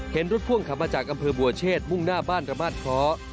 เห็นรถพ่วงขับมาจากอำเภอบัวเชษมุ่งหน้าบ้านระมาทคล้อ